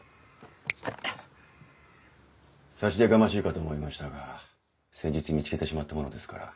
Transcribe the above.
差し出がましいかと思いましたが先日見つけてしまったものですから。